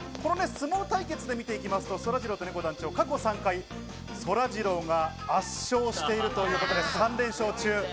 相撲対決で見るとそらジローとねこ団長、過去３回そらジローが圧勝しているということで３連勝中。